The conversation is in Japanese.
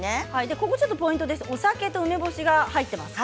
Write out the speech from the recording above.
ここポイントですお酒と梅干しが入っています。